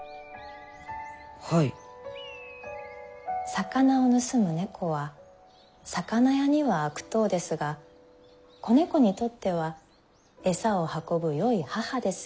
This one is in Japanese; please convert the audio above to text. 魚を盗む猫は魚屋には悪党ですが子猫にとっては餌を運ぶよい母です。